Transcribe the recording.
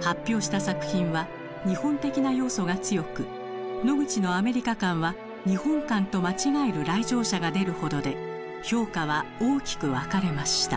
発表した作品は日本的な要素が強くノグチのアメリカ館は日本館と間違える来場者が出るほどで評価は大きく分かれました。